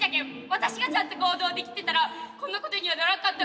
私がちゃんと行動できてたらこんなことにはならんかったんかもしれん。